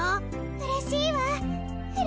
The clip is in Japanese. うれしいわ！